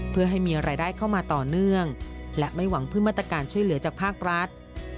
เพื่อให้มีรายได้เข้ามาต่อเนื่องและไม่หวังพึ่งมาตรการช่วยเหลือจากภาครัฐ